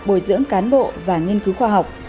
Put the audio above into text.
bồi dưỡng cán bộ và nghiên cứu khoa học